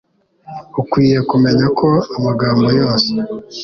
Ukwiye kumenya ko amagambo yose